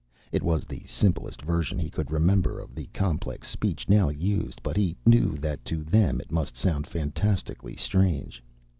It was the simplest version he could remember of the complex speech now used, but he knew that to them it must sound fantastically strange.